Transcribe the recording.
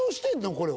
これは。